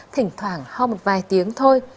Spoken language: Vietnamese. thỉnh thoảng ho một vài tiếng thôi